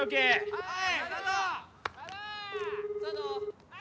はい！